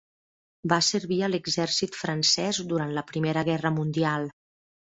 Va servir a l'exèrcit francès durant la Primera Guerra Mundial.